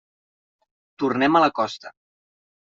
Tornem a la costa.